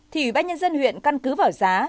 thì ủy ban nhân dân huyện căn cứ vào giá